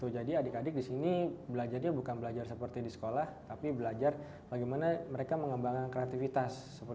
jadi adik adik disini belajarnya bukan belajar seperti di sekolah tapi belajar bagaimana mereka mengembangkan kreativitas